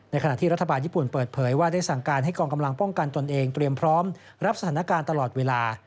ขณะที่รัฐบาลญี่ปุ่นเปิดเผยว่าได้สั่งการให้กองกำลังป้องกันตนเองเตรียมพร้อมรับสถานการณ์ตลอดเวลา